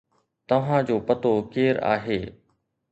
توهان جو پتو ڪير آهي؟